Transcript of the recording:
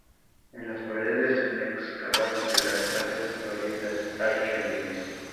En las paredes sin excavar de las falsas glorietas hay relieves.